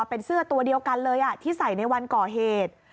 เป็นเสื้อตัวเดียวกันเลยที่ใส่ในวันก่อเหตุ